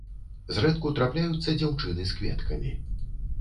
Зрэдку трапляюцца дзяўчыны з кветкамі.